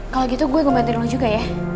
kalau gitu gua mau bantuin lu juga ya